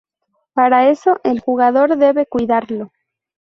Para eso, el jugador debe cuidarlo.